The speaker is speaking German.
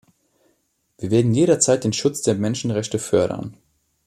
Wir werden jederzeit den Schutz der Menschenrechte fördern.